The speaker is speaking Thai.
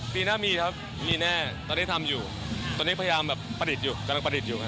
ปีหน้ามีครับมีแน่ตอนนี้ทำอยู่ตอนนี้พยายามแบบประดิษฐ์อยู่กำลังประดิษฐ์อยู่ครับ